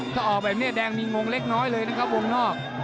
ถ้าออกแบบนี้แดงมีงงเล็กน้อยเลยนะครับวงนอก